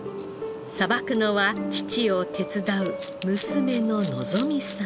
さばくのは父を手伝う娘の希実さん。